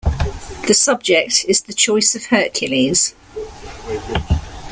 The subject is the Choice of Hercules.